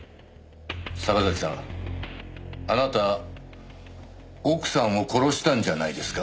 坂崎さんあなた奥さんを殺したんじゃないですか？